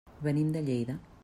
Venim de Lleida.